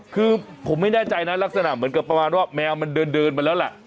คือผมไม่แน่ใจนะลักษณะเหมือนกับประมาณว่าแมวมันเดินมาแล้วล่ะ